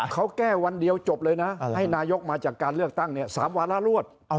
เขาแก้วันเดียวจบเลยนะให้นายกมาจากการเลือกตั้งเนี่ย๓วาระรวด